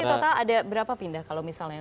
berapa sih total ada berapa pindah kalau misalnya